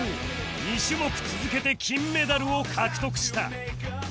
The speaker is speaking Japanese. ２種目続けて金メダルを獲得した